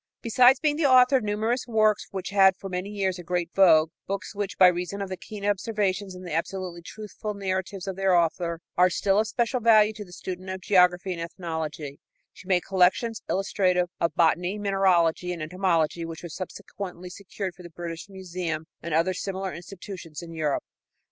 Besides being the author of numerous books which had for many years a great vogue books which, by reason of the keen observations and the absolutely truthful narratives of their author, are still of special value to the student of geography and ethnology she made collections illustrative of botany, mineralogy and entomology which were subsequently secured for the British Museum and other similar institutions in Europe.